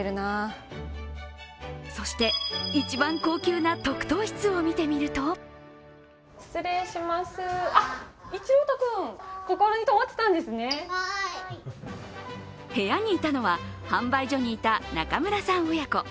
そして、一番高級な特等室を見てみると部屋にいたのは販売所にいた中村さん親子。